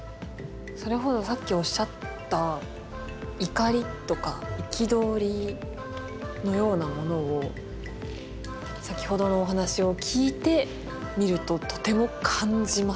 それこそさっきおっしゃった怒りとか憤りのようなものを先ほどのお話を聞いて見るととても感じます。